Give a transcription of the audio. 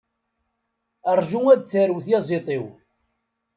Ṛǧu ar d tarew tyaziḍt-iw!